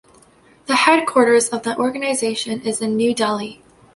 The headquarters of the organisation is in New Delhi.